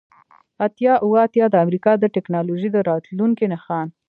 اتیا اوه اتیا د امریکا د ټیکنالوژۍ د راتلونکي نښان